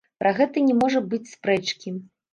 Пра гэта не можа быць спрэчкі.